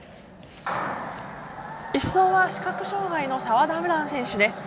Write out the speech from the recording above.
１走は視覚障がいの澤田優蘭選手です。